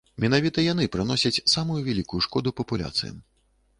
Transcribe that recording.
Менавіта яны прыносяць самую вялікую шкоду папуляцыям.